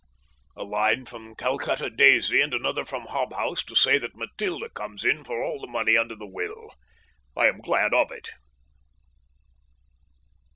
A line from Calcutta Daisy and another from Hobhouse to say that Matilda comes in for all the money under the will. I am glad of it.